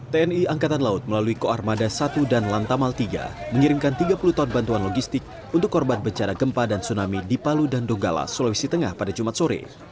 tni angkatan laut melalui koarmada satu dan lantamal tiga mengirimkan tiga puluh ton bantuan logistik untuk korban bencana gempa dan tsunami di palu dan donggala sulawesi tengah pada jumat sore